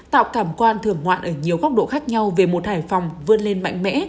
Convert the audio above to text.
tạo cảm quan thưởng ngoạn ở nhiều góc độ khác nhau về một hải phòng vươn lên mạnh mẽ